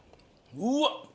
うわっ！